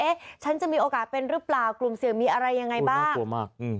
เอ๊ะฉันจะมีโอกาสเป็นหรือเปล่ากลุ่มเสียงมีอะไรยังไงบ้าง